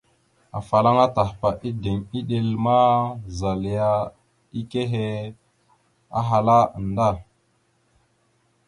Afalaŋa Tahpa ideŋ iɗel ma, zal yana ike ekehe ahala nda.